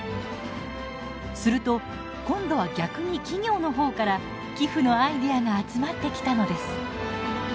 すると今度は逆に企業の方から寄付のアイデアが集まってきたのです。